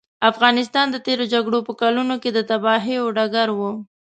افغانستان د تېرو جګړو په کلونو کې د تباهیو ډګر و.